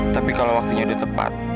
tapi kalau waktunya udah tepat